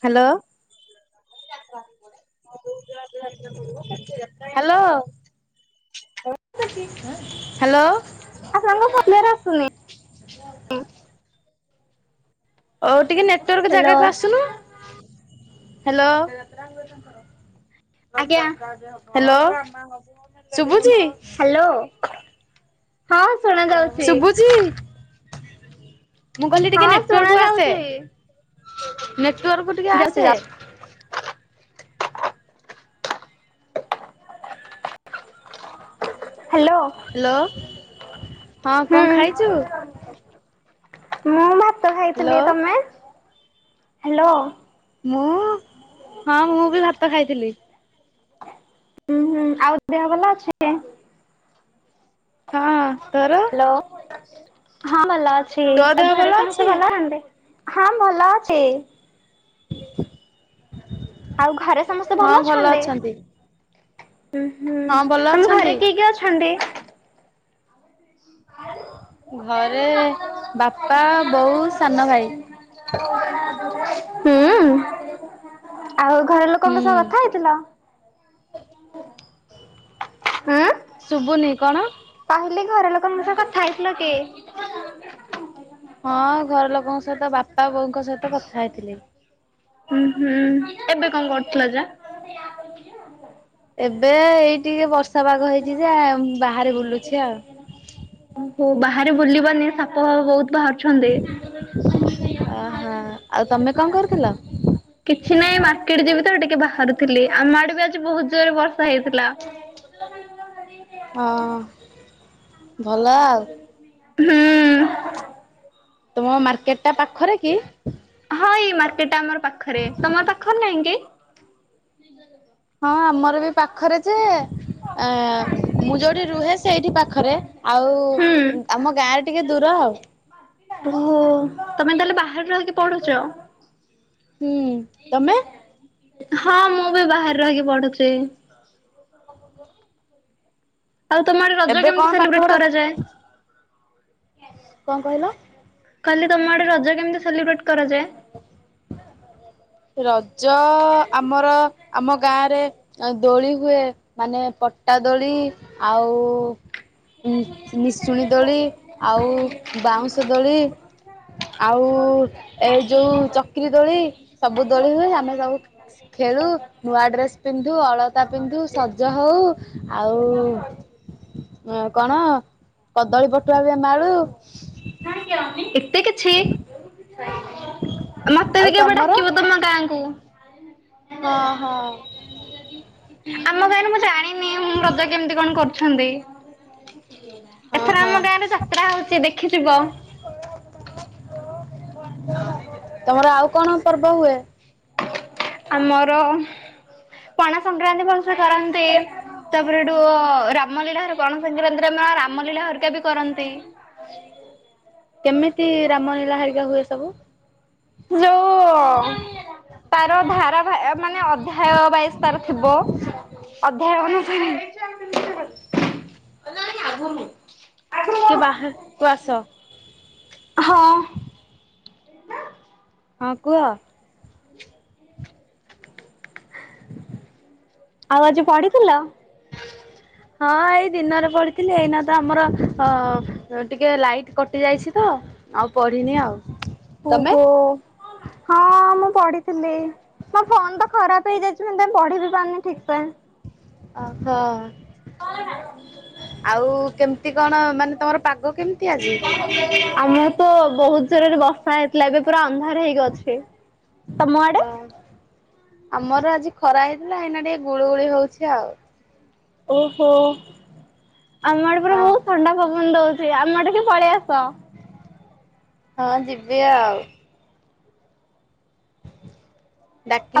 Hello. Hello. Hello. ଆପଣଙ୍କ [unintelligible] ଆସୁନି। ଓଉ ଟିକେ ନେଟୱାର୍କ ହ୍ୟାଲୋ ଜାଗାକୁ ଆସୁନୁ? ହାଲୋ। ଆଜ୍ଞା ହାଲୋ ଶୁଭୁଚି? ହ୍ୟାଲୋ। ହଁ ଶୁଣା ଯାଉଛି। ଶୁଭୁଚି? ମୁଁ କହିଲି ଟିକେ ହଁ ଶୁଣା ନେଟୱାର୍କକୁ ଆସେ, ଯାଉଛି ନେଟୱାର୍କକୁ ଟିକେ ଯାଉଛି ଆସେ। ଯାଉଛି ହ୍ୟାଲୋ। ହାଲୋ ହଁ ହୁଁ କଣ ଖାଇଚୁ? ମୁଁ ଭାତ ହ୍ୟାଲୋ ଖାଇଥିଲି। ତମେ? ହ୍ୟାଲୋ। ମୁଁ, ହଁ ମୁଁ ବି ଭାତ ଖାଇଥିଲି। ଉଁ ହୁଁ। ଆଉ ଦେହ ଭଲ ଅଛି? ହଁ। ତୋର ହ୍ୟାଲୋ, ହଁ ଭଲ ଅଛି। ତୋ ଆ ଦେହ ଭଲ ଘରେ ଅଛି? ସମସ୍ତେ ଭଲ ଅଛନ୍ତି? ହଁ ଭଲ ଅଛି। ଆଉ ଘରେ ସମସ୍ତେ ଭଲ ଅଛନ୍ତି? ଉଁ ହୁଁ, ହଁ ଭଲ ତମ ଘରେ ଅଛନ୍ତି। କିଏ କିଏ ଅଛନ୍ତି? ଘରେ ବାପା, ବୋଉ, ସାନ ଭାଇ। ହୁଁ। ଆଉ ଘର ଲୋକଙ୍କ ହୁଁ। ସହ କଥା ହେଇଥିଲ? [inaudible] ହୁଁ। ଶୁଭୁନି, କଣ? କହିଲି ଘରଲୋକଙ୍କ ସହ କଥା ହେଇଥିଲ କି? ହଁ ଘର ଲୋକଙ୍କ ସହିତ, ବାପା ବୋଉଙ୍କ ସହିତ କଥା ହେଇଥିଲି। ହୁଁ ହୁଁ। ଏବେ କଣ କରୁଥିଲ ଯା? [inaudible] ଏବେ ଏଇ ଟିକେ ବର୍ଷା ପାଗ ହେଇଛି ଯେ, ବାହାରେ ବୁଲୁଛି ଆଉ। ଓହୋ। ବାହାରେ ବୁଲିବନି, ସାପ ଫାପ ବହୁତ ବାହାରୁଛନ୍ତି। ଆହା। ଆଉ ତମେ କଣ କରୁଥିଲ? କିଛି ନାହିଁ ମାର୍କେଟ ଯିବି ତ ଟିକେ ବାହାରୁଥିଲି। ଆମ ଆଡେ ବି ଆଜି ବହୁତ ଜୋରରେ ବର୍ଷା ହେଇଥିଲା। ହଁ। ଭଲ ଆଉ ହୁଁ ତୁମ ମାର୍କେଟଟା ପାଖରେ କି? ହଁ ଏଇ ମାର୍କେଟଟା ଆମର ପାଖରେ। ତମର ପାଖରେ ନାହିଁ କି? ହଁ ଆମର ବି ପାଖରେ ଯେ ମୁଁ ଯୋଉଠି ରୁହେ ସେଇଠି ପାଖରେ ହୁଁ। ଆଉ ଆମ ଗାଁରେ ଟିକେ ଦୂର ଆଉ। ଓହୋ ତମେ ତାହେଲେ ବାହାରେ ରହିକି ପଢୁଛ? ହୁଁ। ତମେ ହଁ ମୁଁ ବି ବାହାରେ ରହିକି ପଢୁଛି। ଆଉ ତମ ଆଡେ ରଜ ଏବେ କେମିତି କଣ ପାଠ ସେଲିବ୍ରେଟ ପଢା କରାଯାଏ? କଣ କହିଲ? କହିଲି ତମ ଆଡେ ରଜ କେମତି ସେଲିବ୍ରେଟ୍ କରାଯାଏ? ରଜ ଆମର, ଆମ ଗାଁରେ ଆଉ ଦୋଳି ହୁଏ ମାନେ ପଟା ଦୋଳି ଆଉ ନିଶୁଣୀ ଦୋଳି ଆଉ ବାଉଁଶ ଦୋଳି ଆଉ ଏ ଯୋଉ ଚକିରି ଦୋଳି ସବୁ ଦୋଳି ହୁଏ ଆମେ ସବୁ ଖେଳୁ। ନୂଆ ଡ୍ରେସ ପିନ୍ଧୁ ଅଳତା ପିନ୍ଧୁ ସଜ ହଉ ଆଉ ଆ କଣ କଦଳୀ ପଠୁଆ ବିଏ ଆମେ ଆଳୁ। [unintelligible] କିଛି ମତେ ଆଉ ବି କେବେ ତମର? ଡାକିବ ତମ ଗାଁକୁ? ହଁ ହଁ। ଆମ ଗାଁରେ ମୁଁ ଜାଣିନି ମୁଁ ରଜା କେମିତି କଣ କରୁଛନ୍ତି। ହଁ ଏଥର ହଁ ଆମ ଗାଁ ରେ ଯାତ୍ରା ହଉଛି ଦେଖିଥିବ? [inaudible] ତମର ଆଉ କଣ ପର୍ବ ହୁଏ? ଆମର ପଣା ସଂକ୍ରାନ୍ତି ଭଲ ସେ କରନ୍ତି। ତାପରେ ଏଠୁ ରାମଲୀଳା ପଣ ସଂକ୍ରାନ୍ତିରେମ ରାମ ଲୀଳା ହରିକା ବି କରନ୍ତି। [unintelligible] କେମିତି ରାମ ଲୀଳା ହରିକା ହୁଏ ସବୁ? ଯୋଉ ତାର ଧାରା ମାନେ ଅଧ୍ୟାୟ ବାଇଶ ତାର ଥିବ ଅଧ୍ୟୟ [unintelligible] କିଏ ବାହାରକୁ ଆସ। ହଁ। ହଁ କୁହ। ଆଉ ଆଜି ପଢିଥିଲ? ହଁ ଏଇ ଦିନରେ ପଡିଥିଲି। ଏଇନା ତ ଆମର ହଁ ଟିକେ ଲାଇଟ୍ କଟି ଯାଇଛି ତ ଆଉ ପଢିନି ଆଉ। ତମେ? ଓହୋ ହଁ ମୁଁ ପଢିଥିଲି। ମୋ ଫୋନ ତ ଖରାପ ହେଇଯାଇଚି ମୁ ସେପାଇଁ ପଢି ବି ପାରୁନି ଠିକ ସେ। ଓହୋ ଆଉ କେମିତି କଣ ମାନେ ତମର ପାଗ କେମିତି? ଆଜି? ଆମର ତ ବହୁତ ଜୋରରେ ବର୍ଷା ହେଇଥିଲା ଏବେ ପୁରା ଅନ୍ଧାର ହେଇ କି ଅଛି। ତମ ଆଡେ? ହଁ ଆମର ଆଜି ଖରା ହେଇଥିଲା ଏଇନା ଟିକେ ଗୁଳୁ ଗୁଳି ହଉଛି ଆଉ। ଓହୋ। ଆମ ଆଡେ ପୁରା ହଁ। ବହୁତ ଥଣ୍ଡା ପବନ ଦଉଛି ଆମ ଆଡିକି ପଳେଇ ଆସ। ହଁ ଯିବି ଆଉ।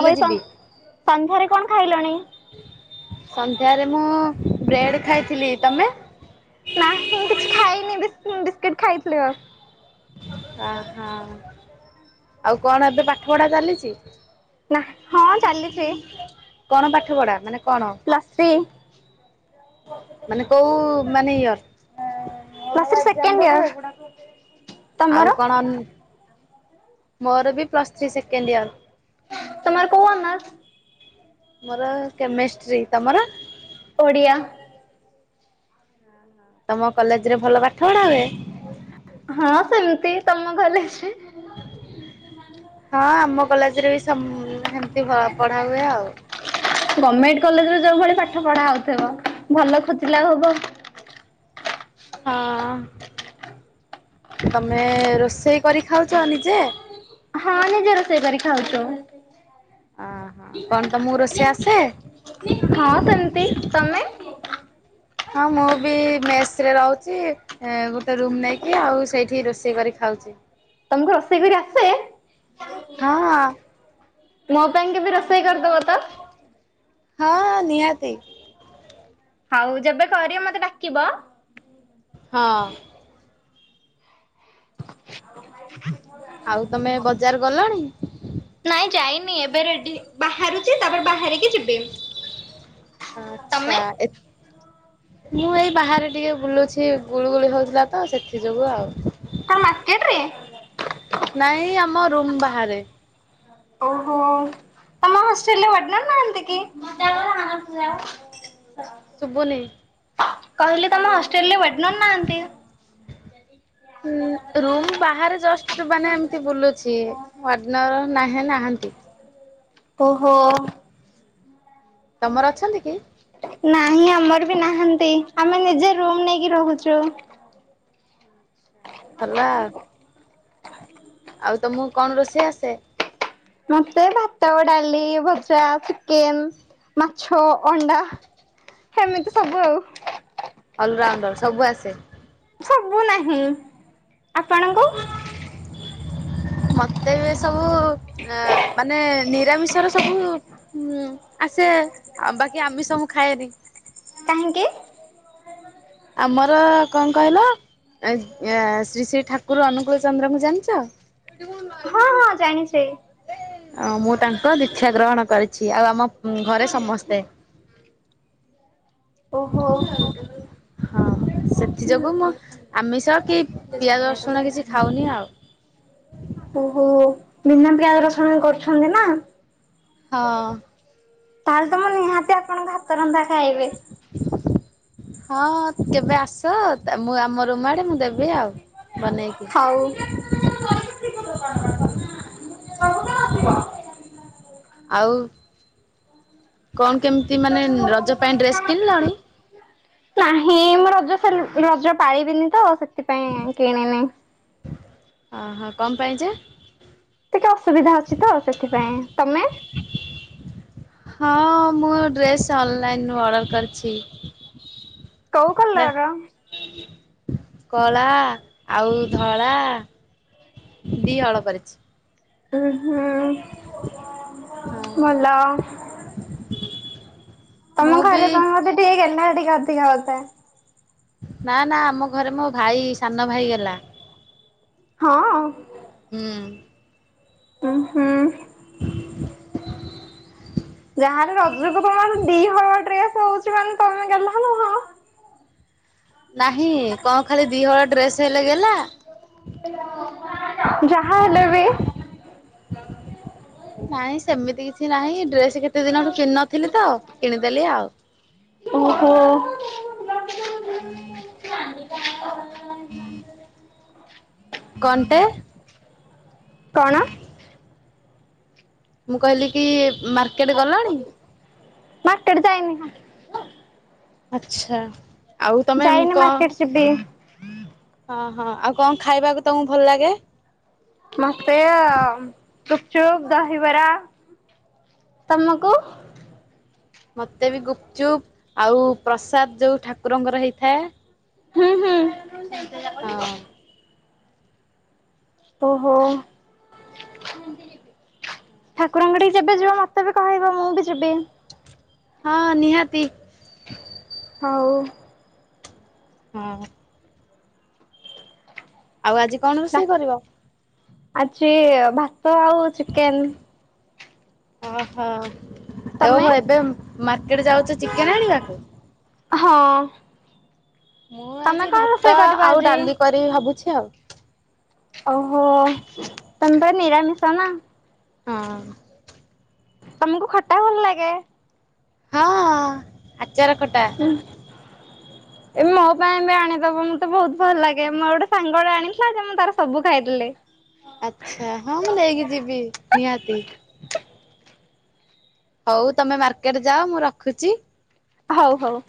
ଆଉ ଭଇ ଯିବି। ସନ୍ଧ୍ୟାରେ କଣ ଖାଇଲଣି? ସନ୍ଧ୍ୟାରେ ମୁଁ ବ୍ରେଡ ଖାଇଥିଲି। ତମେ? ନାହିଁ ମୁଁ କିଛି ଖାଇନି ବିସ ବିସ୍କୁିଟ ଖାଇଥିଲି ବାସ। ଅହ। ଆଉ କଣ ଏବେ ପାଠ ପଢା ଚାଲିଚି। ନା ହଁ ଚାଲିଛି। କଣ ପାଠ ପଢା? ମାନେ କଣ ପ୍ଲସ୍ ଥ୍ରୀ ମାନେ କୋଉ ମାନେ ଇଅର? [unintelligible] Second year. ଆଉ ତମର? କଣ ମୋର ବି ପ୍ଲସ୍ ଥ୍ରୀ ସେକେଣ୍ଡ ଇୟର। ତୁମର କୋଉ ଅନର୍ସ? ମୋର କେମେଷ୍ଟ୍ରି। ତମର? ଓଡ଼ିଆ। ତମ କଲେଜ ରେ ଭଲ ପାଠ ପଢା ହୁଏ? ହଁ ସେମିତି। ତମ କଲେଜ ରେ? ହଁ ଆମ କଲେଜରେ ବି ସମ ହେମତି ପଢା ହୁଏ ଆଉ। ଗମେଣ୍ଟ କଲେଜରେ ଯୋଉ ଭଳି ପାଠ ପଢା ହଉଥିବ ଭଲ ଖୋଜିଲେ ଆଉ ହବ। ହଁ ତମେ ରୋଷେଇ କରି ଖାଉଚ ନିଜେ? ହଁ ନିଜ ରୋଷେଇ କରି ଖାଉଚୁ। ଓହୋ କଣ ତମକୁ ରୋଷେଇ ଆସେ? ହଁ ସେମିତି। ତମେ? ହଁ ମୁଁ ବି ମେସି ରେ ରହୁଚି। ଗୋଟେ ରୁମ ନେଇକି ଆଉ ସେଇଠି ରୋଷେଇ କରି ଖାଉଚି। ତମକୁ ରୋଷେଇ କରି ଆସେ? ହଁ। ମୋ ପାଇଁ କେବେ ରୋଷେଇ କରିଦବ ତ। ହଁ ନିହାତି। ହଉ ଯେବେ କରିଅ ମତେ ଡାକିବ। ହଁ। ଆଉ ତମେ ବଜାର ଗଲଣି? ନାଇଁ ଯାଇନି ଏବେ ରେଡି ବାହାରୁଛି ତାପରେ ବାହାରିକି ଯିବି। ଆଚ୍ଛା ତମେ? ଏ ମୁଁ ଏଇ ବାହାରେ ଟିକେ ବୁଲୁଛି ଗୁଳୁ ଗୁଳି ହଉଥିଲା ତ ସେଥି ଯୋଗୁ ଆଉ। କଣ ମାର୍କେଟ ରେ? ନାଇଁ ଆମ ରୁମ୍ ବାହାରେ। ଓହୋଃ। ତମ ହଷ୍ଟେଲରେ ୱର୍ଡେନର୍ ନାହାନ୍ତି କି? ଶୁଭୁନି। କହିଲି ତମ ହଷ୍ଟେଲ ରେ ୱର୍ଡେନର୍ ନାହାନ୍ତି? [inaudible] ରୁମ୍ ବାହାରେ ଜଷ୍ଟ ମାନେ ଏମତି ବୁଲୁଛି। ୱାର୍ଡ଼େନର ନା ନାହାନ୍ତି। ଓହୋଃ। ତମର ଅଛନ୍ତି କି? ନାହିଁ ଆମର ବି ନାହାଁନ୍ତି। ଆମେ ନିଜେ ରୁମ ନେଇକି ରହୁଛୁ। ଭଲ ଆଉ। ଆଉ ତମକୁ କଣ ରୋଷେଇ ଆସେ? ମତେ ଭାତ, ଡାଲି, ଭଜା, ଚିକେନ, ମାଛ ଅଣ୍ଡା ସେମିତି ସବୁ ଆଉ। ଅଲ ରାଉଣ୍ଡର ସବୁ ଆସେ? ସବୁ ନାହିଁ। ଆପଣଙ୍କୁ? [inaudible] ମତେ ବି ସବୁ ଅ ମାନେ ନିରାମିଷର ସବୁ ହୁଁ ଆସେ ଆ ବାକି ଆମିଷ ମୁଁ ଖାଏନି। କାହିଁକି? ଆମର କଣ କହିଲ ଶ୍ରୀ ଶ୍ରୀ ଠାକୁର ଅନୁକୂଳ ଚନ୍ଦ୍ରଙ୍କୁ ଜାଣିଛ? ହଁ ହଁ ଜାଣିଛି। ଅ ମୁଁ ତାଙ୍କ ଦୀକ୍ଷା ଗ୍ରହଣ କରିଛି ଆଉ ଆମ ଘରେ ସମସ୍ତେ। ଓହୋଃ। ହଁ, ସେଥି ଯୋଗୁ ମୁଁ ଆମିଷ କି ପିଆଜ, ରସୁଣ କିଛି ଖାଉନି ଆଉ। ଓହୋଃ, ବିନା ପିଆଜ ରସୁଣ କରୁଛନ୍ତି ନା? ହଁ। ତାହେଲେ ତ ମୁଁ ନିହାତି ଆପଣଙ୍କ ହା ତ ରନ୍ଧା ଖାଇବି। [inaudible] ହଁ, କେବେ ଆସ ମୁଁ ଆମ ରୁମ ଆଡେ ମୁଁ ଦେବି ଆଉ ବନେଇକି। ହଉ। ଆଉ କଣ କେମିତି ମାନେ ରଜ ପାଇଁ ଡ୍ରେସ୍ କିଣିଲଣି? ନାହିଁ ମୁଁ ରଜ ସେଲ୍ ରଜ ପାଳିବିନି ତ ସେଥିପାଇଁ କିଣିନି। ଓଃ କଣ ପାଇଁ ଯେ? ଟିକେ ଅସୁବିଧା ଅଛି ତ ସେଥିପାଇଁ। ତମେ? [inaudible] ହଁ, ମୁଁ ଡ୍ରେସ୍ ଅନଲାଇନୁ ଅର୍ଡର କରିଛି। କୋଉ କଲର୍ ର? କଳା ଆଉ ଧଳା ଦି ଅଳ ପରିଚି ଉଁ ହୁଁ ହଁ ଭଲ। ମୁଁ ତମ ବି ଘରେ ତମେ ବୋଧେ ଟିକେ ଗେହ୍ଲା ଟିକେ ଅଧିକା ହଥାଏ। ନା ନା ଆମ ଘରେ ମୋ ଭାଇ ସାନ ଭାଇ ଗେହ୍ଲା। ହଁ। ହୁଁ। ଉଁ ହୁଁ। ଯାହାହେଲେ ରଜକୁ ତମର ଦିହଳ ଡ୍ରେସ୍ ହଉଚି ମାନେ ତମେ ଗେହ୍ଲା ନୁହଁ। ନାହିଁ କଁ ଖାଲି ଦିହଳ ଡ୍ରେସ୍ ହେଲେ ଗେହ୍ଲା। ଯା ନାଇଁ ସେମିତି କିଛି ନାହିଁ ଡ୍ରେସ୍ କେ କେତେ ଦିନଠୁ କିିନଥିଲିତ କିଣିଦେଲି ଆଉ। ଓହୋ। [unintelligible] କଣ୍ଟେ? କଣ? ମୁଁ କହିଲିକି ମାର୍କେଟ ଗଲଣି? ମାର୍କେଟ ଯାଇନିଁ। ଆଚ୍ଛା। ଆଉ ତମେ ଯାଇନି କଣ ମାର୍କେଟ ଯିବି। ହଁ ହଁ ଆଉ କଣ ଖାଇବାକୁ ତମକୁ ଭଲ ଲାଗେ? ମତେ ଗୁପଚୁପ୍ ଦହିବରା ତମକୁ? ମୋତେବି ଗୁପଚୁପ୍ ଆଉ ପ୍ରସାଦ ଯେଉଁ ଠାକୁରଙ୍କର ହେଇଥାଏ ହୁଁ ହୁଁ। ହଁ। ଓହୋ। ଠାକୁରଙ୍କ ଆଡ଼େ ଯେବେ ଯିବ ମତେବି କହେଇବ ମୁଁବି ଯିବି। ହଁ ନିହାତି। ହଉ। ହଁ। ଆଉ ଆଜି କଣ ରୋଷେଇ କରିବ? ଆଜି ଭାତ ଆଉ ଚିକେନ୍। ଓହୋ। ତମେ? ଓହୋ ଏବେ ମାର୍କେଟ ଯାଉଚ ଚିକେନ୍ ଆଣିବାକୁ? ହଁ। ମୁଁ ତମେ ଆଜି କଣ ଭାତ ରୋଷେଇ କରିବ ଆଉ ଆଜି? ଡାଲି କରିବି ଭାବୁଚି ଆଉ। ଓହୋ ତମେପା ନିରାମିଷାନା। ହଁ। ତମକୁ ଖଟା ଭଲ ଲାଗେ? ହଁ ଆଚାର ଖଟା। ଏ ମୋ ପାଇଁବି ଆଣିଦବ ମତେ ବହୁତ୍ ଭଲ ଲାଗେ ମୋ ଗୋଟେ ସାଙ୍ଗଟେ ଆଣିଥିଲାଯେ ମୁଁ ତାର ସବୁ ଖାଇଦେଲି। ଆଚ୍ଛା ହଁ ମୁଁ ନେଇକି ଯିବି ନିହାତି। ହଉ ତମେ ମାର୍କେଟ ଯାଅ ମୁଁ ରଖୁଚି। ହଉ ହଉ।